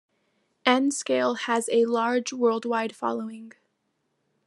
N scale has a large worldwide following.